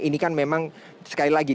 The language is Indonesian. ini kan memang sekali lagi